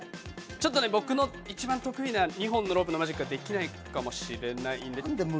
僕の一番得意な２本のロープのマジックはできないかもしれない。